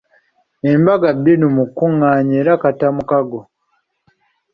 Embaga bbinu mukunggaanya era kattamukago.